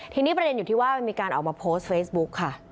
ทีนี้ประเด็นอยู่ที่ว่ามันมีการออกมาโพสต์เฟซบุ๊กค่ะ